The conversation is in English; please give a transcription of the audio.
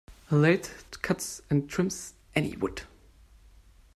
A lathe cuts and trims any wood.